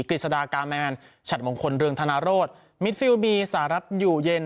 กฤษฎากาแมนฉัดมงคลเรืองธนโรธมิดฟิลบีสหรัฐอยู่เย็น